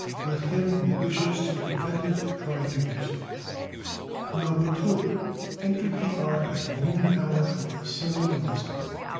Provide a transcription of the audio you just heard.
Let him who wishes to prevent it try to do so." Noah, too, entered the ark at the noon hour for a similar reason.